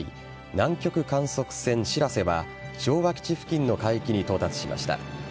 南極観測船「しらせ」は昭和基地付近の海域に到達しました。